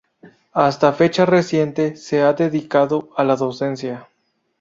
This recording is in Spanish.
Hasta fecha reciente, se ha dedicado a la docencia.